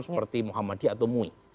seperti muhammadiyah atau mui